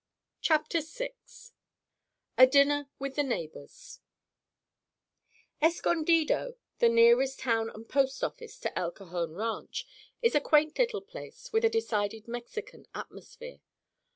CHAPTER VI—A DINNER WITH THE NEIGHBORS Escondido, the nearest town and post office to El Cajon Ranch, is a quaint little place with a decided Mexican atmosphere.